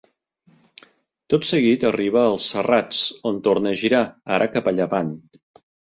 Tot seguit arriba als Serrats, on torna a girar, ara cap a llevant.